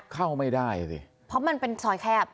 เข้าไม่ได้สิเพราะมันเป็นซอยแคบ